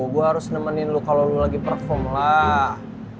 gue harus nemenin lo kalo lo lagi perfum lah